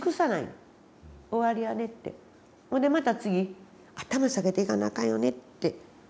でまた次頭下げて行かなあかんよねって。